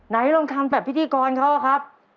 ไหนลองทำแบบพิธีกรเขาอะครับ